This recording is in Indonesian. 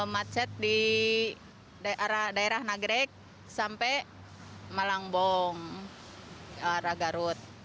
macet di daerah nagrek sampai malangbong arah garut